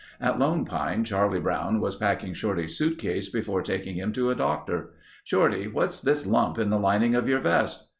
At Lone Pine Charlie Brown was packing Shorty's suit case before taking him to a doctor. "Shorty, what's this lump in the lining of your vest?"